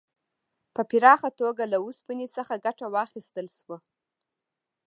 په پراخه توګه له اوسپنې څخه ګټه واخیستل شوه.